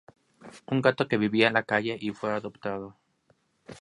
Un gato que vivía en la calle y fue adoptado.